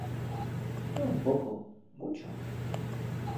No un poco, mucho.